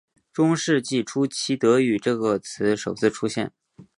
中世纪初期德语这个词首次出现。